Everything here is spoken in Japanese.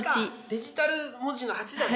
デジタル文字の８だね。